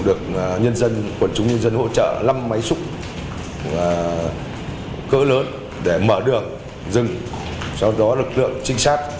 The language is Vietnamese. được quân chúng nhân dân hỗ trợ năm máy xúc cỡ lớn để mở đường dừng sau đó lực lượng trinh sát